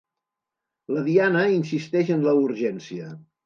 La Diana insisteix en la urgència.